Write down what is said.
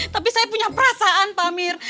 tapi saya punya perasaan pak amir